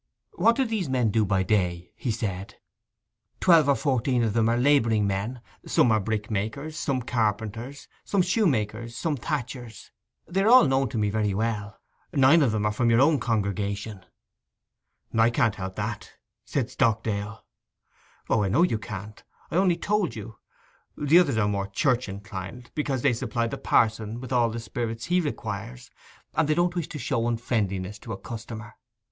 'What do these men do by day?' he said. 'Twelve or fourteen of them are labouring men. Some are brickmakers, some carpenters, some shoe makers, some thatchers. They are all known to me very well. Nine of 'em are of your own congregation.' 'I can't help that,' said Stockdale. 'O, I know you can't. I only told you. The others are more church inclined, because they supply the pa'son with all the spirits he requires, and they don't wish to show unfriendliness to a customer.